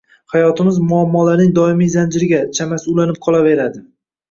hayotimiz muammolarning doimiy zanjiriga, chamasi, ulanib qolaveradi.